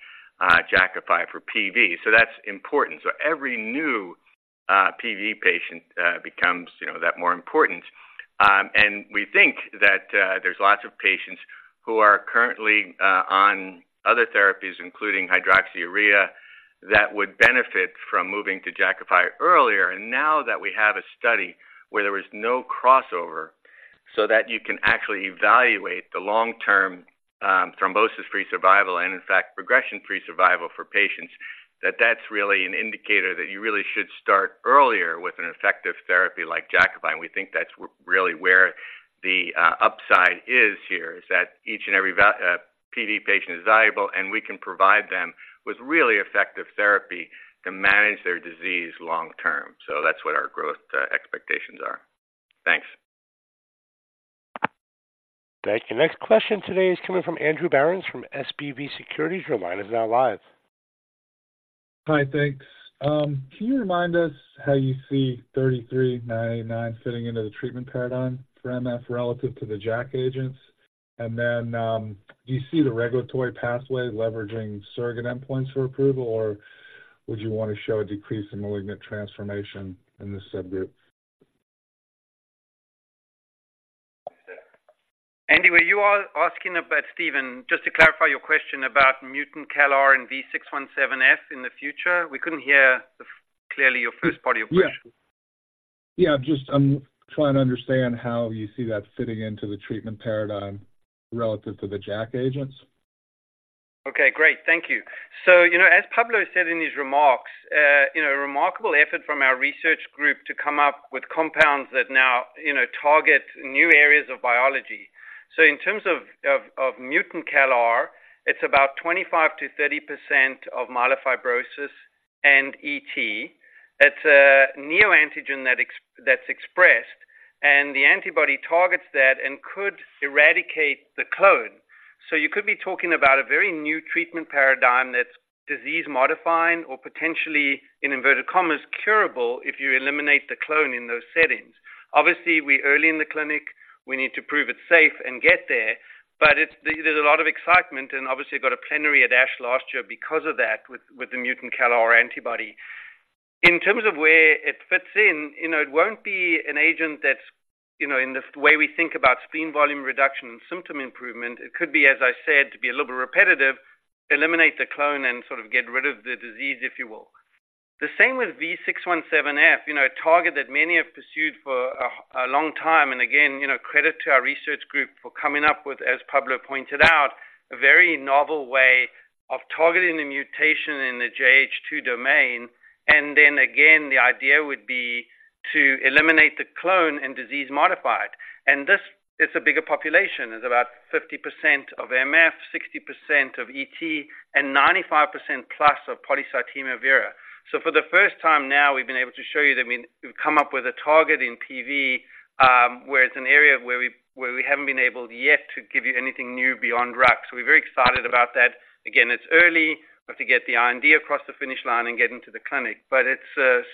Jakafi for PV. So that's important. So every new PV patient becomes, you know, that more important. And we think that there's lots of patients who are currently on other therapies, including hydroxyurea, that would benefit from moving to Jakafi earlier. And now that we have a study where there was no crossover, so that you can actually evaluate the long-term thrombosis-free survival, and in fact, progression-free survival for patients, that that's really an indicator that you really should start earlier with an effective therapy like Jakafi. We think that's really where the upside is here, is that each and every PV patient is valuable, and we can provide them with really effective therapy to manage their disease long term. That's what our growth expectations are. Thanks. Thank you. Next question today is coming from Andrew Berens, from SVB Securities. Your line is now live. Hi, thanks. Can you remind us how you see INCA033989 fitting into the treatment paradigm for MF relative to the JAK agents? And then, do you see the regulatory pathway leveraging surrogate endpoints for approval, or would you want to show a decrease in malignant transformation in this subgroup? Andy, were you asking about Steven, just to clarify your question about mutant CALR and V617F in the future? We couldn't hear clearly your first part of your question. Yeah. Yeah, I'm just, I'm trying to understand how you see that fitting into the treatment paradigm relative to the JAK agents? Okay, great. Thank you. So, you know, as Pablo said in his remarks, you know, a remarkable effort from our research group to come up with compounds that now, you know, target new areas of biology. So in terms of mutant CALR, it's about 25%-30% of myelofibrosis and ET. It's a neoantigen that's expressed, and the antibody targets that and could eradicate the clone. So you could be talking about a very new treatment paradigm that's disease-modifying or potentially, in inverted commas, curable, if you eliminate the clone in those settings. Obviously, we're early in the clinic, we need to prove it's safe and get there, but it's... There's a lot of excitement and obviously got a plenary at ASH last year because of that, with the mutant CALR antibody. In terms of where it fits in, you know, it won't be an agent that's, you know, in the way we think about spleen volume reduction and symptom improvement. It could be, as I said, to be a little bit repetitive, eliminate the clone and sort of get rid of the disease, if you will. The same with V617F, you know, a target that many have pursued for a long time. And again, you know, credit to our research group for coming up with, as Pablo pointed out, a very novel way of targeting the mutation in the JH2 domain. And then again, the idea would be to eliminate the clone and disease modify it. And this is a bigger population. It's about 50% of MF, 60% of ET, and 95% plus of polycythemia vera. So for the first time now, we've been able to show you that we've come up with a target in PV, where it's an area where we haven't been able yet to give you anything new beyond RUX. We're very excited about that. Again, it's early, we have to get the R&D across the finish line and get into the clinic, but it's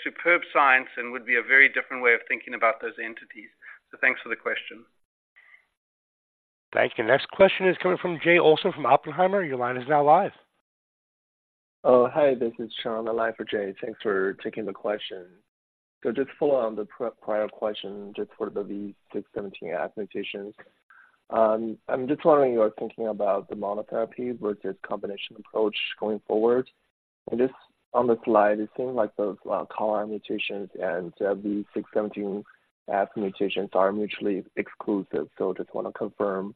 superb science and would be a very different way of thinking about those entities. So thanks for the question. Thank you. Next question is coming from Jay Olson from Oppenheimer. Your line is now live. Oh, hi, this is Cheng, the line for Jay. Thanks for taking the question. So just follow on the prior question, just for the V617F mutations. I'm just wondering, you are thinking about the monotherapy versus combination approach going forward. And just on the slide, it seems like those CALR mutations and the V617F mutations are mutually exclusive. So just want to confirm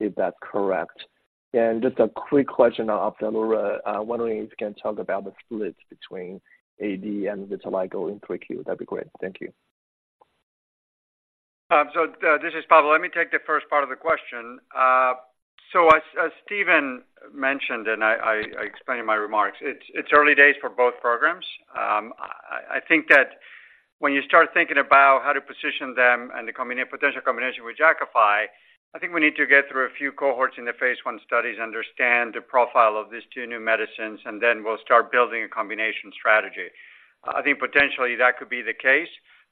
if that's correct. And just a quick question on Opzelura. Wondering if you can talk about the splits between AD and vitiligo in Q1. That'd be great. Thank you. So, this is Pablo. Let me take the first part of the question. So as Steven mentioned, and I explained in my remarks, it's early days for both programs. I think that when you start thinking about how to position them and the potential combination with Jakafi, I think we need to get through a few cohorts in the phase I studies, understand the profile of these two new medicines, and then we'll start building a combination strategy. I think potentially that could be the case,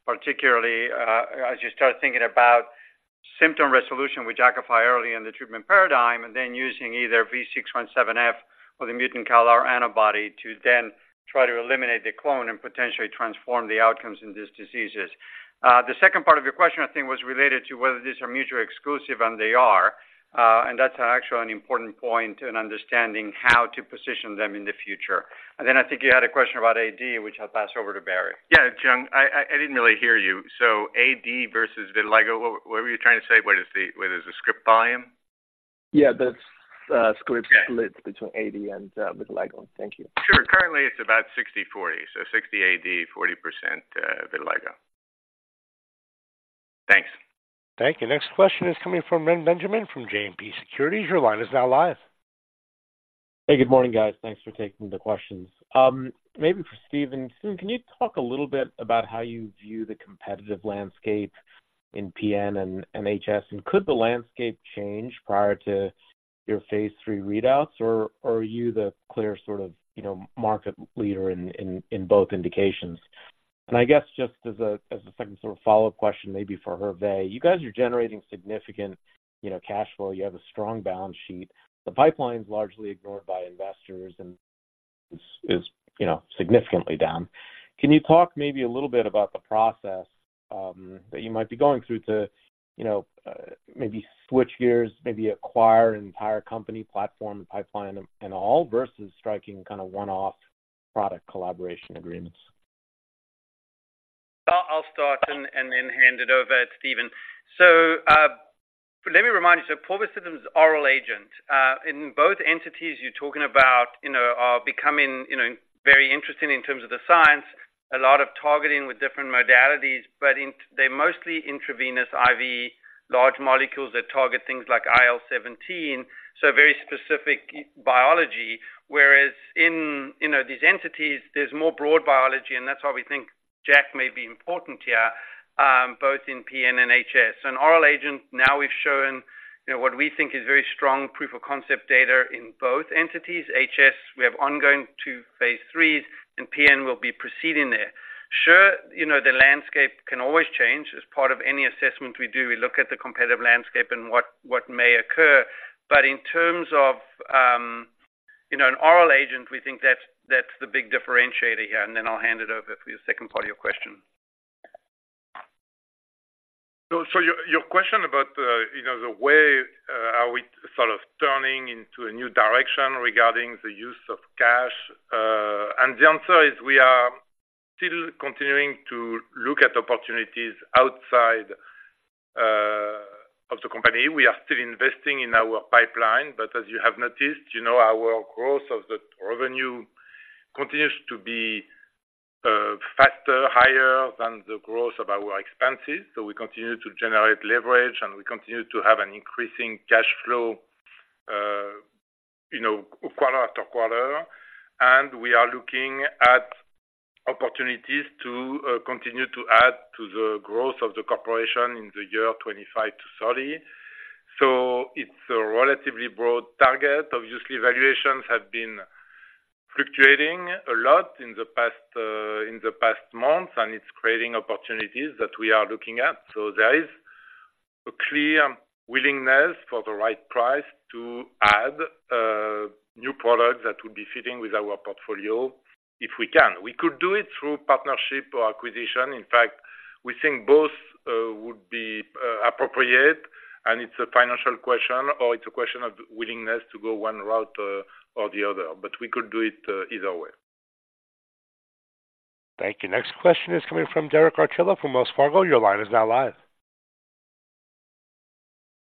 particularly, as you start thinking about symptom resolution with Jakafi early in the treatment paradigm, and then using either V617F or the mutant CALR antibody to then try to eliminate the clone and potentially transform the outcomes in these diseases. The second part of your question, I think, was related to whether these are mutually exclusive, and they are. And that's actually an important point in understanding how to position them in the future. And then I think you had a question about AD, which I'll pass over to Barry. Yeah, Cheng, I didn't really hear you. So AD versus vitiligo, what were you trying to say? What is the, whether it's the script volume? Yeah, that's Okay. split between AD and vitiligo. Thank you. Sure. Currently, it's about 60/40, so 60% AD, 40% vitiligo. Thanks. Thank you. Next question is coming from Reni Benjamin, from JMP Securities. Your line is now live. Hey, good morning, guys. Thanks for taking the questions. Maybe for Steven. Steven, can you talk a little bit about how you view the competitive landscape in PN and HS, and could the landscape change prior to your phase III readouts, or, or are you the clear sort of, you know, market leader in, in, in both indications? And I guess just as a, as a second sort of follow-up question, maybe for Hervé. You guys are generating significant, you know, cash flow. You have a strong balance sheet. The pipeline is largely ignored by investors, and is, you know, significantly down. Can you talk maybe a little bit about the process that you might be going through to, you know, maybe switch gears, maybe acquire an entire company, platform, pipeline, and all, versus striking kind of one-off product collaboration agreements? I'll start and then hand it over to Steven. So, let me remind you, so povorcitinib is an oral agent. In both entities you're talking about, you know, are becoming, you know, very interesting in terms of the science, a lot of targeting with different modalities, but in, they're mostly intravenous IV, large molecules that target things like IL-17, so very specific biology. Whereas in, you know, these entities, there's more broad biology, and that's why we think JAK may be important here, both in PN and HS. An oral agent, now we've shown, you know, what we think is very strong proof of concept data in both entities. HS, we have ongoing two phase IIIs, and PN will be proceeding there. Sure, you know, the landscape can always change. As part of any assessment we do, we look at the competitive landscape and what, what may occur. But in terms of, you know, an oral agent, we think that's, that's the big differentiator here. And then I'll hand it over for the second part of your question. So, your question about the, you know, the way are we sort of turning into a new direction regarding the use of cash? And the answer is we are still continuing to look at opportunities outside of the company. We are still investing in our pipeline, but as you have noticed, you know, our growth of the revenue continues to be faster, higher than the growth of our expenses. So we continue to generate leverage, and we continue to have an increasing cash flow, you know, quarter after quarter. And we are looking at opportunities to continue to add to the growth of the corporation in the year 2025-2030. So it's a relatively broad target. Obviously, valuations have been fluctuating a lot in the past months, and it's creating opportunities that we are looking at. There is clear willingness for the right price to add new products that would be fitting with our portfolio if we can. We could do it through partnership or acquisition. In fact, we think both would be appropriate, and it's a financial question, or it's a question of willingness to go one route or the other, but we could do it either way. Thank you. Next question is coming from Derek Archila from Wells Fargo. Your line is now live.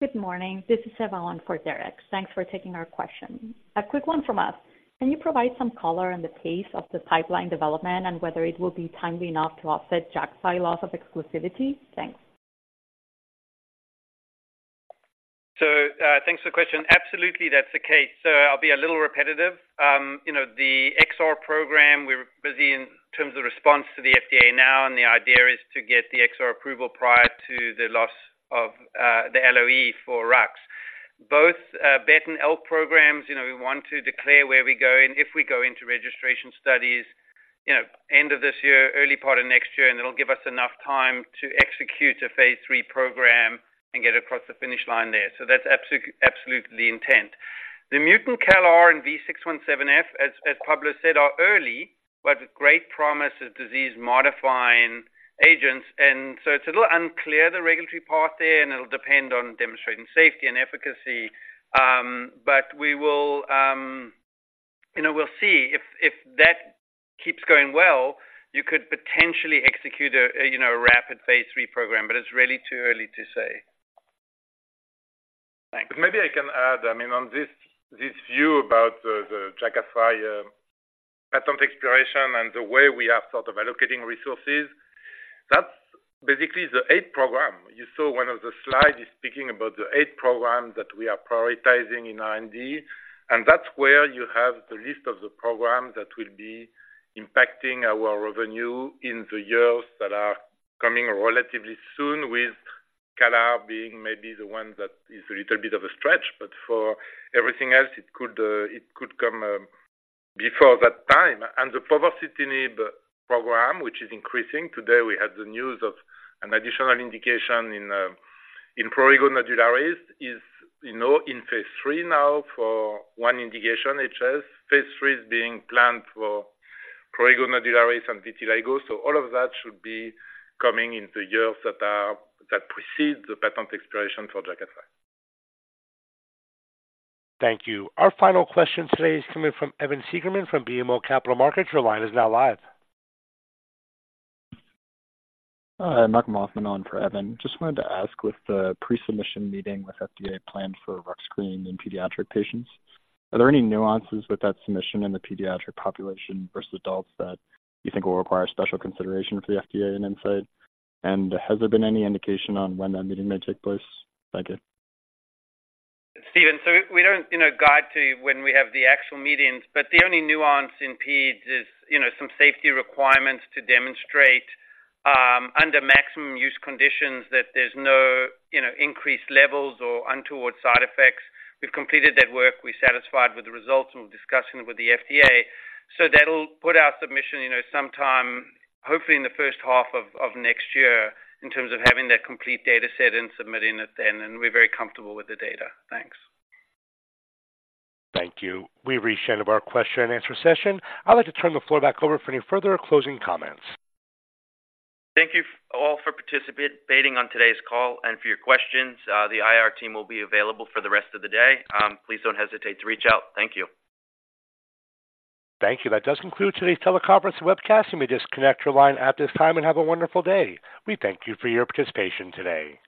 Good morning. This is Evelyn for Derek. Thanks for taking our question. A quick one from us, can you provide some color on the pace of the pipeline development and whether it will be timely enough to offset Jakafi loss of exclusivity? Thanks. So, thanks for the question. Absolutely, that's the case. So I'll be a little repetitive. You know, the XR program, we're busy in terms of response to the FDA now, and the idea is to get the XR approval prior to the loss of the LOE for RUX. Both BET and ALK programs, you know, we want to declare where we go, and if we go into registration studies, you know, end of this year, early part of next year, and it'll give us enough time to execute a phase III program and get across the finish line there. So that's absolutely the intent. The mutant CALR and V617F, as Pablo said, are early, but great promise of disease-modifying agents. And so it's a little unclear the regulatory path there, and it'll depend on demonstrating safety and efficacy. But we will, you know, we'll see if that keeps going well, you could potentially execute a, you know, rapid phase III program, but it's really too early to say. Thanks. Maybe I can add, I mean, on this, this view about the, the Jakafi, patent expiration and the way we are sort of allocating resources, that's basically the eight program. You saw one of the slides is speaking about the eight program that we are prioritizing in R&D, and that's where you have the list of the programs that will be impacting our revenue in the years that are coming relatively soon, with CALR being maybe the one that is a little bit of a stretch, but for everything else, it could, it could come, before that time. And the povorcitinib program, which is increasing. Today, we had the news of an additional indication in, in prurigo nodularis, is, you know, in phase III now for one indication, HS. Phase III is being planned for prurigo nodularis and vitiligo. So all of that should be coming in the years that, that precede the patent expiration for Jakafi. Thank you. Our final question today is coming from Evan Siegerman from BMO Capital Markets. Your line is now live. Hi, Mark [Moorman] on for Evan. Just wanted to ask, with the pre-submission meeting with FDA planned for rux cream in pediatric patients, are there any nuances with that submission in the pediatric population versus adults that you think will require special consideration for the FDA and insight? And has there been any indication on when that meeting may take place? Thank you. Steven, so we don't, you know, guide to when we have the actual meetings, but the only nuance in pediatrics is, you know, some safety requirements to demonstrate under maximum use conditions that there's no, you know, increased levels or untoward side effects. We've completed that work. We're satisfied with the results, and we're discussing it with the FDA. So that'll put our submission, you know, sometime hopefully in the first half of next year in terms of having that complete data set and submitting it then, and we're very comfortable with the data. Thanks. Thank you. We've reached the end of our question and answer session. I'd like to turn the floor back over for any further closing comments. Thank you all for participating on today's call and for your questions. The IR team will be available for the rest of the day. Please don't hesitate to reach out. Thank you. Thank you. That does conclude today's teleconference webcast. You may disconnect your line at this time and have a wonderful day. We thank you for your participation today.